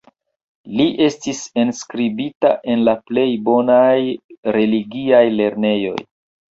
Li estis enskribita en la plej bonaj religiaj lernejoj.